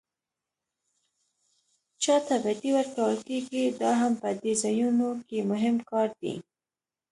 چاته بډې ورکول کېږي دا هم په دې ځایونو کې مهم کار دی.